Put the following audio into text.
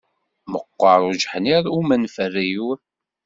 Meqqeṛ ujeḥniḍ umenferriw.